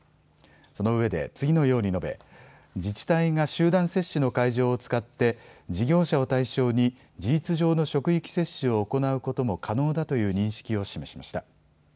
そのうえで次のように述べ自治体が集団接種の会場を使って事業者を対象に事実上の職域接種を行うことも可能だという認識を示しました。